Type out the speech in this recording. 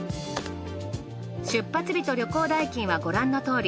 出発日と旅行代金はご覧のとおり。